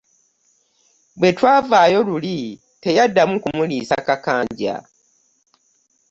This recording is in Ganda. Bwe twavaayo luli teyaddamu kumuliisa kakanja.